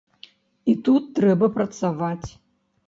І тут трэба працаваць.